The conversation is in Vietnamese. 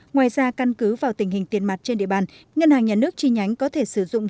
ngoài ra căn cứ vào tình hình tiền mặt trên địa bàn ngân hàng nhà nước chi nhánh có thể sử dụng